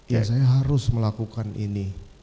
ya saya harus melakukan ini